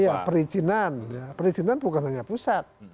ya perizinan perizinan bukan hanya pusat